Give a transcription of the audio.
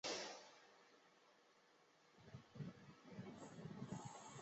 罗伯特斯坦恩是哥伦比亚大学建筑系硕士以及耶鲁大学建筑系的硕士。